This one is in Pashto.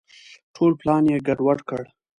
ټول پلان یې ګډ وډ کړ.